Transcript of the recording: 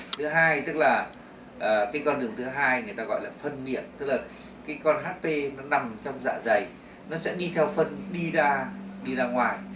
thứ hai tức là cái con đường thứ hai người ta gọi là phân biệt tức là cái con hp nó nằm trong dạ dày nó sẽ đi theo phân đi ra đi ra ngoài